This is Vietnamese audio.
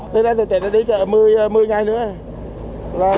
từ nay đến tết đi chợ một mươi ngày nữa